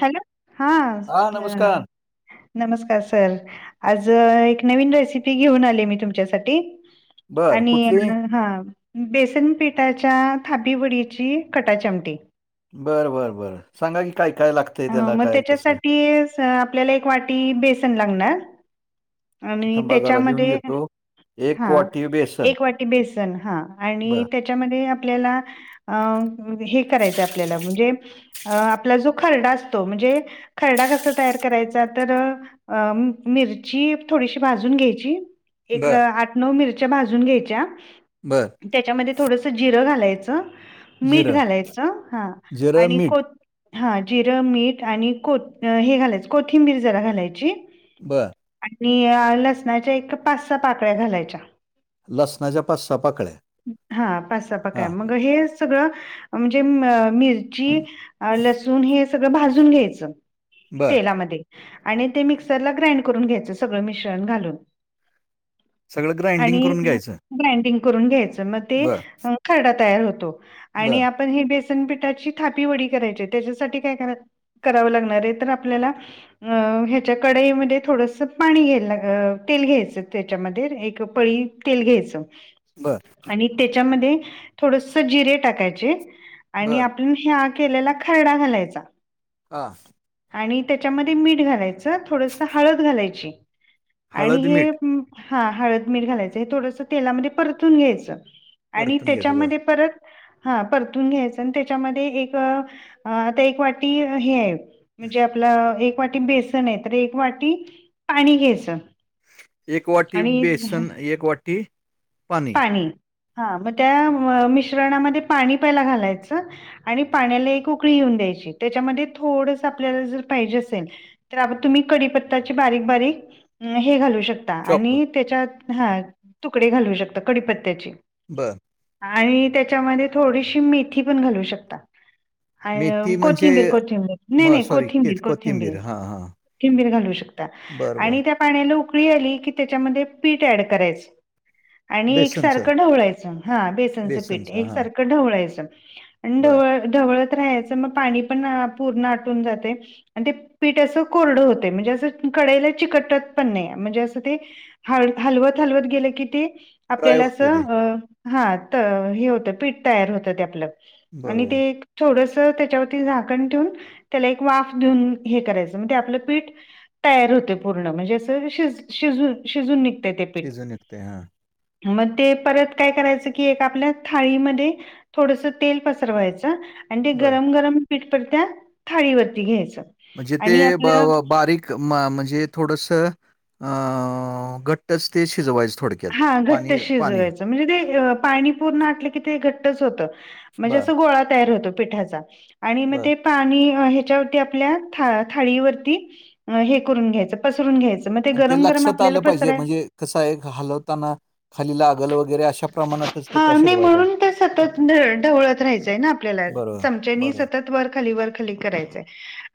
Hello? हा, हा नमस्कार [unintelligible] नमस्कार सर. आज, एक नवीन रेसिपी घेऊन आले, मी तुमच्यासाठी. बर आणि कुठली हं बेसनपिठाच्या, थापी वडीची, कटाची आमटी. बरं बरं बरं, सांगा की, काय काय लाग म त्याच्यासाठी, आपल्याला एक वाटी, बेसन लागणार. आणि थांबा जरा लिहून त्याच्यामध्ये घेतो एक हा, वाटी बेसन एक वाटी बेसन, हां, बर आणि त्या च्या मध्ये आपल्याला हे करायचं, आपल्याला, म्हणजे आपला जो खरडा असतो, म्हणजे खरडा कसा तयार करायचा, तर अ, मिरची थोडीशी भाजून घ्यायची एक बर आठ-नऊ मिरच्या, भाजून घ्यायच्या. बरं. त्याच्यामध्ये, थोडंसं जिरं घालायचं, मीठ जिरं घालायचं, हं जिरं आणि मीठ कोत हा, जिरं, मीठ आणि कूट हे घालायचं, कोथिंबीर जरा घालायची. बरं. आणि लसणाच्या, एक पाच सा पाकळ्या, घालायच्या. लसणाच्या पाच सहा पाकळ्या हा, पाचसा हा पकळ्या, मग हेच सगळ, म्हणजे म-मिरची, अ लसूण हे सगळं भाजून घ्यायचं. बर तेलामध्ये आणि ते मिक्सरला ग्राईंड करून घ्यायचं, सगळं मिश्रण घालून सगळं ग्राइंडिंग आणि करून घ्यायचं ग्राईडिंग करून घ्यायच, मग ते बर खरडा तयार होतो, बर आणि आपण हे बेसनपिठाची, थापी वडी करायचीत. त्याच्यासाठी, काय करा-कराव लागणार ये, तर आपल्याला अ ह्याच्या कडईमध्ये, थोडंसं पाणी घ्यायला लाग, तेल घ्यायचं, त्याच्यामध्ये एक पळी तेल घ्यायचं बरं. आणि त्याच्यामध्ये थोडसं, जिरे टाकायचे आणि बर आपण ह्या केलेला खरडा घालायचा. हां. आणि त्याच्यामध्ये, मीठ घालायचं, थोडस हळद घालायची आणि हळद हे मीठ म, हळद मीठ घालायचं, हे थोडसं तेलामध्ये, परतून घ्यायचं आणि परतून घ्यायचं बर त्याच्यामध्ये परत, हा परतून घ्यायचं, आणि त्याच्यामध्ये एक अ आता एक वाटी हे आहे, म्हणजे आपला एक वाटी बेसन आहे, तर एक वाटी पाणी घ्यायचं. एक वाटी आणि बेसन एक वाटी पाणी. हा मग त्या मिश्रणामध्ये पाणी पहिला घालायचं, आणि त्या पाण्याला एक उकळी येऊन द्यायची, त्याच्यामध्ये थोडसं आपल्याला जर पाहिजे असेल तर आता तुम्ही कडीपत्ताची बारीक बारीक हे घालू शकता. चॉप आणि त्याच्यात हा तुकडे घालू शकता कडीपत्त्याचे. बरं. आणि त्याच्यामध्ये थोडीशी मेथी पण घालू शकता. अ मेथी म्हणजे कोथिंबीर कोथिंबीर नाही म नाही, सॉरी कोथिंबीर तेच कोथिंबीर. हां हां कोथिंबीर घालू शकता, बरं, बरं. आणि त्या पाण्याला उकळी आली की त्याच्यामध्ये पीठ ऍड करायचं. आणि बेसनचं एकसारखं ढवळायचं, हा बेसनचं पीठ एकसारखं ढवळायचं आणि बरं. ढवळ ढवळत राहायचं मग पाणी पण पूर्ण आटून जातय. आणि ते पीठ असं कोरडं होतय, म्हणजे अस कढईला चिकटत पण नाही, म्हणजे असं ते ह हलवत हलवत गेलं की ते, ड्राय आपल्याला होतं ते. असं, हा हे होतं पीठ तयार होतं ते आपलं. आणि ते बरोबर. थोडसं त्याच्यावरती झाकण ठेवून, त्याला एक वाफ देऊन हे करायचं, म्हणजे आपलं पीठ तयार होतय पूर्ण, म्हणजे असं श शज शिजून निघतय ते पीठ. शिजून निघते. हां, मग ते परत काय करायचं कि एक आपल्या थाळीमध्ये थोडस तेल पसरवायचं, आणि ते बरं. गरम गरम पीठपरत्या थाळीवरती घ्यायचं. म्हणजे आणि ते ब आपलं बारीक म्हणजे थोडसं घट्टच ते शिजवायच थोड हा घट्ट शिजवायच. म्हणजे ते पाणी पूर्ण आटलं की ते घट्टच होतं, म्हणजे बरं, अस गोळा तयार होतो पिठाचा. आणि म बरं. ते पाणी ह्याच्यावरती आपल्या, था थाळीवरती हे करून घ्यायचं पसरून घ्यायचं. मग ते पण गरम गरम लक्षात आपल्याला आलं पाहिजे पसराय म्हणजे कसं हाय घालवताना ते हा का नाही, शिजवायला पाहिजे. म्हणून तर सतत ढवळत राहायचंय ना, आपल्याला, बरोबर, चमच्यानी बरोबर. सतत वर खाली वर खाली करायचंय.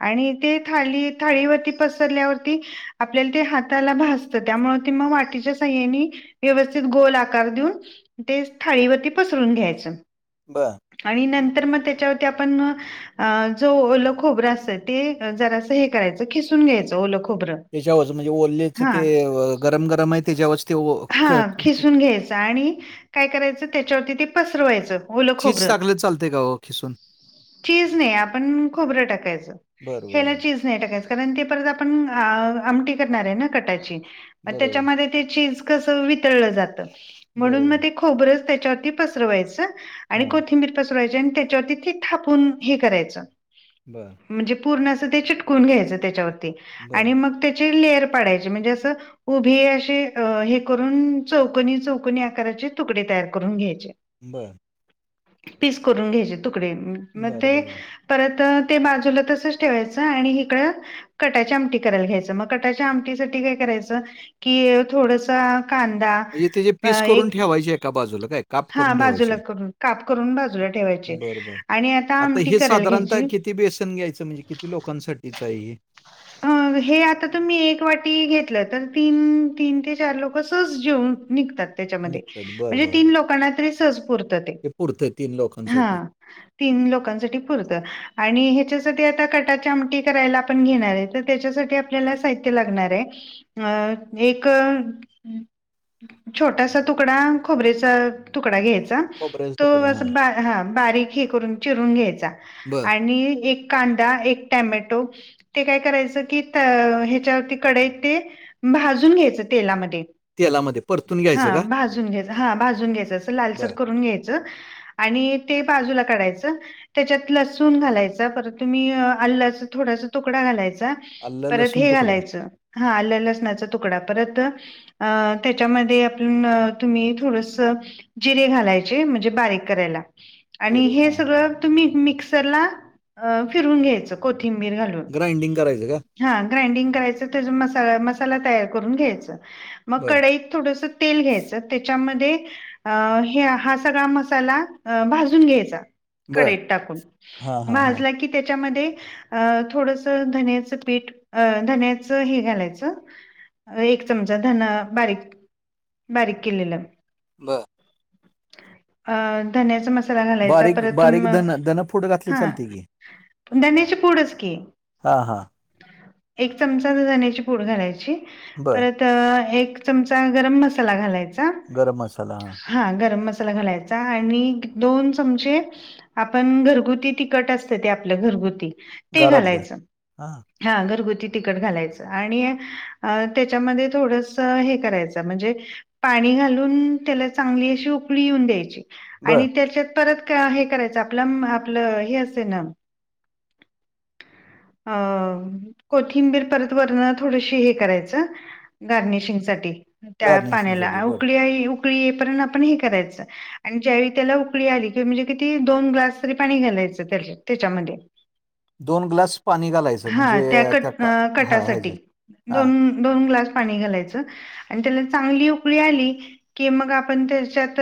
आणि ते थाली थाळीवरती पसरल्यावरती आपल्याला ते हाताला भाजतं, त्यामुळे ते मग वाटीच्या साहाय्यानी व्यवस्थित गोल आकार देऊन ते थाळीवरती पसरून घ्यायचं. बर. आणि नंतर मग त्याच्यावरती आपण अ जो ओलं खोबरं असतं, ते जरासं हे करायचं, खिसून घ्यायचं ओल खोबरं. त्याच्यावर म्हणजे ओलेच हा ते गरम गरम आहे त्याच्यावरच. ते ओ हा क खिसून घ्यायचं, आणि काय करायचं त्याच्यावरती ते पसरवायचं. ओलं चीज खोबरं टाकलं तर चालतय का ओ खिसून? चीज नाही आपण खोबरं टाकायचं, बरं, बरं, ह्याला बरं. चीज चीज नाही टाकायच. कारण ते परत आपण आमटी करणार आहे. ना कटाची म बरोबर, त्याच्यामध्ये ते चीज कस वितळलं जातं, म्हणून बरोबर. मग ते खोबरच त्याच्यावरती पसरवायचं. आणि हां. कोथिंबीर पसरवायची, आणि त्याच्यावरती ते थापून हे करायचं. बर. म्हणजे पूर्ण असं ते चिटकून घ्यायचं त्याच्यावरती आणि बरं, मग त्याचे लेअर पाडायची म्हणजे असं उभी अशी हे करुन चौकनी, चौकनी आकाराचे तुकडे तयार करून घ्यायचे. बरं. पीस करून घ्यायचे तुकडे मग बरं, ते बरोबर. परत ते बाजूला तसच ठेवायचं आणि हिकडं कटाच्या आमटी करायला घ्यायच, मग कटाच्या आमटीसाठी काय करायचं की थोडस कांदा म्हणजे त्याचे अ पीस करून एक ठेवायचे एका बाजूला काय? काप हा करून ठेवायचे. बाजूला करून काप करून बाजूला ठेवायचे बरं, बरं. आणि आता आमटी हे करायला साधारणतः घ्यायची. किती बेसन घ्यायचं म्हणजे किती लोकांसाठीच आहे हे? अ हे आता तुम्ही एक वाटी घेतलं, तर तीन, तीन ते चार लोक सहज जेऊन निघतात. त्यांच्यामध्ये निघतात. बरं, म्हणजे बरं, बरं. तीन लोकांना तरी सहज पुरत ते हे पुरतंय हा. लोकांसाठी. तीन लोकांसाठी पुरत आणि ह्याच्यासाठी आता कटाच्या आमटी करायला आपण घेणार आहेत. तर त्याच्यासाठी आपल्याला साहित्य लागणार आहे, अ एक छोटासा तुकडा खोबरेचा तुकडा घ्यायचा. खोबऱ्याचा तो तुकडा. अस हां. ह बारीक हे करून चिरून घ्यायचा बरं. आणि एक कांदा एक टॅमॅटो ते काय करायच की ह्याच्यावरती कडईत ते भाजून घ्यायच तेलामध्ये. तेलामध्ये परतून हा घ्यायचं का? भाजून घ्यायच हा भाजून घ्यायच अस लालसर बरं. करून घ्यायचं. आणि ते बाजूला काढायचं. त्याच्यात लसूून घालायचा परत तुम्ही आलाच थोडासा तुकडा घालायचा. आलं, परत लसूण हे तुकडा, घालायचं हा आल, लसणाचा तुकडा परत अ त्याच्यामध्ये आपण तुम्ही थोडस जिरे घालायचे म्हणजे बारीक करायला. आणि जिरे. हे हां. सगळं तुम्ही मिक्सरला फिरून घ्यायचं कोथिंबीर घालून. ग्राइंडिंग करायचं का? हा ग्राइंडिंग करायचं त्याचा मसा मसाला तयार करून घ्यायच मग बरं. कढाईत थोडस तेल घ्यायचं त्याच्यामध्ये अ ह हा सगळा मसाला भाजून घ्यायचा. बरं. कढईत टाकून हां, हां, हां. भाजला की त्याच्यामध्ये थोडस धनेच पीठ धनेच हे घालायचं एक चमचा धना बारीक बारीक केलेलं. बर. अ धन्याचा मसाला धन्याचा मसाला घालायचा बारीक परत बारीक म धन धनपूड घातली हा चालते की? धन्याची पूडच की. हा हा. एक चमचा धण्याची पूड घालायची बरं. परत तर एक चमचा गरम मसाला घालायचा. गरम मसाला हा. हा गरम मसाला घालायचा आणि दोन चमचे आपण घरगुती तिकट असत ते आपलं घरगुती. ते घरातल घालायचं. हा. हा घरगुती तिकट घालायचं आणि त्याच्यामध्ये थोडस हे करायचं म्हणजे पाणी घालून त्याला चांगली अशी उकळी येऊन द्यायची बर आणि त्याच्यात परत हे करायचं आपल, आपल हे असे ना अ. कोथिंबीर परत वरण थोडशी हे करायचं गार्निशिंग साठी. त्या पाण्याला गार्निशिंगसाठी बर उकळी उकळी येई पर्यंत आपण हे करायचं. आणि ज्यावेळी त्याला उकळी आली किवा म्हणजे किती दोन ग्लास तरी पाणी घालायचं त्या त्याच्यामध्ये. दोन ग्लास पाणी घालायच. हा त्या कट कटासाठी हा दोन दोन ग्लास पाणी घालायचं. आणि त्याला चांगली उकळी आली की मग आपण त्याच्यात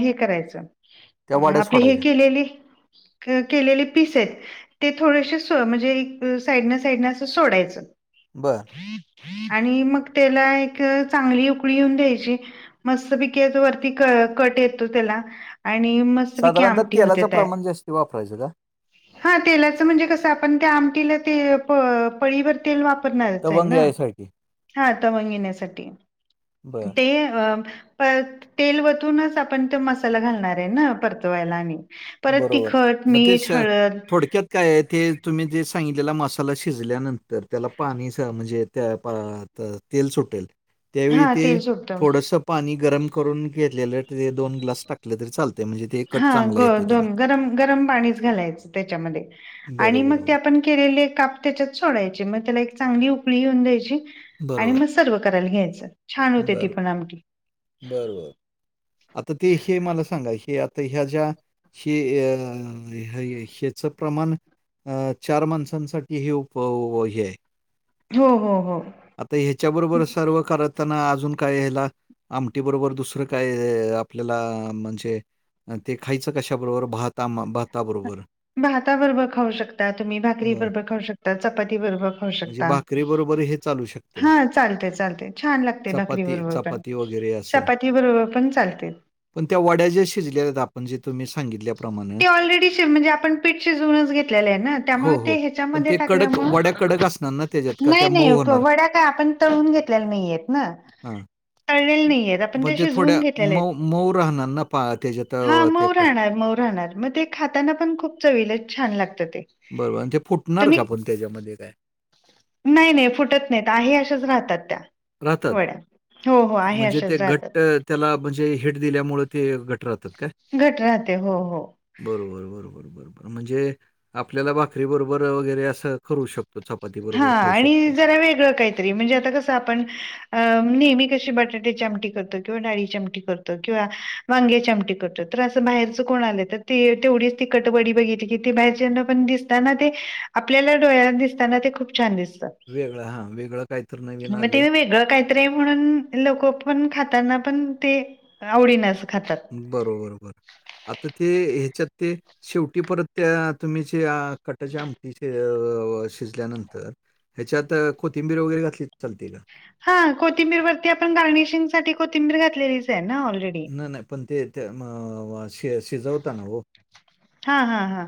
हे करायचं. त्या अ वाड्या आपले हे सोडायच्या केलेले. केलेले पीस आहेत ते थोडेसे म्हणजे. साईड ना साईडने असं सोडायचं. बरं. आणि मग त्याला एक चांगली उकळी येऊन द्यायची. मस्त पैकी वरती क कट येतो त्याला आणि म. साधारणत तेलाचं प्रमाण जास्त वापरायचं का? हा तेलाचं म्हणजे कसं आपण त्या आमटीला ते. पळीवर तेल वापरणारच आहे तवंग ना यायसाठी हा तवंगेण्यासाठी. बर ते अ. प तेल वतूनच आपण त मसाला घालणार आहे ना परतवायला आणि. परत बरोबर तिखट मग ते मीठ श हळद. थोडक्यात काय आहे ते तुम्ही जे सांगितलेला मा. त्याला शिजल्यानंतर त्याला पाणी म्हणजे त्या तेल सुटेल. त्यावेळी हा ते तेल सुटतं थोडस. पाणी गरम करून घेतलेलं तिथे दोन ग्लास टाकले तरी चालते म्हणजे ते कट हा चांगलं ग येत. पा घ बरोबर त्या. केलेले काप त्यात सोडायचे मग त्याला एक चांगली उकळी येऊ द्यायची. बरोबर. सर्व करायला घ्यायचं छान होते ती पण आमखी. बरोबर आता ते हे मला सांगा हे आता ह्या ज्या. हे अ ह्याच प्रमाण? अ चार माणसांसाठी हेप हे आहे. हो हो हो आता ह्याच्या बरोबर सर्व करत. असताना अजून काय ह्याला आमटी बरोबर दुसरं काय आपल्याला म्हणजे. ते खायचं कशाबरोबर भहता बहताा बरोबर. भाताबरोबर खाऊ शकता तुम्ही भाकरी बरं. बरोबर खाऊ शकता चपाती बरोबर खाऊ म्हणजे शकता. भाकरीबरोबर हे चालू शकते. हा चालते चालते छान लागते भाकरी चपाती बरोब पण चपाती वगैरे असं. चपाती बरोब पण चालते. पण त्या वड्या ज्या शिजलेल्या आहेत आपण जे तुम् सांगितले. ते ऑलरेडी म्हणजे आपण पीठचे जुनच घेतलेले आहे ना हो, त्यामुळे ते हो. पण ह्याच्यामध्ये ते कडक टाकल्यामु. वड्या कडक असणार ना त्याच्यात का त्या नाही नाही मऊ होणार? वड्या काय आपण तळून घेतलेल्या नाहीयेत ना. हां. कळलेले नाही आहेत आपण त्या जुून घेतलेले आहेत. मौराहानाना पाळते ज. हा मऊ राहणार मऊ राहणार मग ते खाताना पण खूप चवील छान लागत ते. बरोबर आणि ते फुटणार तुम्ही का आपण त्याच्यामध्ये काय. नाही नाही फुटत नाहीत आहे अशाच राहतात त्या. राहतात. वडा हो हो आहे म्हणजे ते अशाच राहतात. घट्ट त्याला म्हणजे हिट दिल्यामुळं ते गट राहतात. काय? घट राहते हो हो. बरोबर बरोबर बरोबर म्हणजे आपल्याला भाकरी बरोबर वगैरे अस करू शकतो चपाती हा बरोबर खाऊ आणि शकतो. जरा वेगळं काय? तरी म्हणजे आता कसं आपण अं नेहमी कशी बटाटेची आमटी करतो किंवा डाळी चमट करतो किंवा वांगेची आमटी करतो तर असं बाहेरच कोण आलं तर ते तेवढीच तिखट वडी बघितली की ते बाहेरच्याना पण दिस ताना ते आपल्याला डोळ्याना दिसताना ते खूप छान दिसतात. वेगळां हा वेगळं काहीत नवीन आलय. ते वेगळं काय तरी हाय म्हणून लोक पण खाताना पण ते आवडीनच खातात. बरोबर बर आता ते ह्याच्यात ते शेवटी परत त्या तुम्ही ज्या कटाच्या आमटीचे शिजल्यानंतर ह्याच्यात कोथिंबीर वगैरे घातली चालते का? हा कोथिंबीर वरती आपण गार्निशिंग साठी कोथिंबीर घातलेलीच आहे ना ऑलरेडी. नाही नाही पण ते श शिजवताना हो. हा हा हा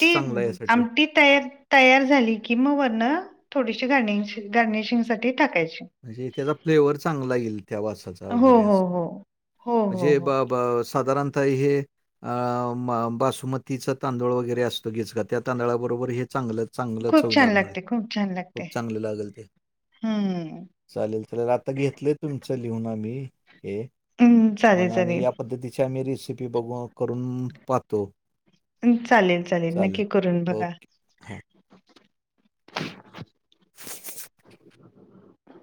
ती चांगला यासाठी आमटी तर तयार झाली की मग वरण थोडीशी गार्नि गार्निशिंग साठी टाकायची. म्हणजे त्याचा फ्लेवर चांगल येईल त्या वासाचा हो वगैरे असं हो हो. हो हो म्हणजे हो बा बा- साधारणता हे अ बासुमतीचा तांदूळ वगैरे असतो घीच का त्या तांदळाबरोबर हे चांगलं चांगलंच खूप होय छान लागणार लागते खूप छान लागते. खूप चांगले लागेल ते. हम्म. चालेल चालेल आता घेतलंय तुमचं लिहून आम्ही हे. हम्म, मग चालेल आणि चालेल. या पद्धतीची आम्ही रेसिपी बघ करून पाहतो. चालेल चालेल नक्की करून बघा. ओके हां [inaudible]